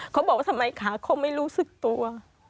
เขาบอกว่าทำไมขาเขาไม่รู้สึกตัว